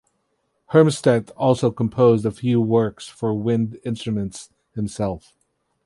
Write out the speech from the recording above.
Hermstedt also composed a few works for wind instruments himself.